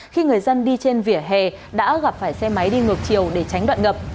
khi người dân đi trên vỉa hè đã gặp phải xe máy đi ngược chiều để tránh đoạn ngập